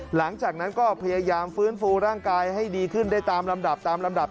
หลังจากนั้นก็พยายามฟื้นฟูร่างกายให้ดีขึ้นได้ตามลำดับตามลำดับ